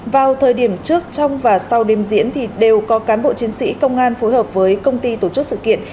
vào thời điểm trước trong và sau đêm diễn thì đều có cán bộ chiến sĩ công an phối hợp với công ty tổ chức sự kiện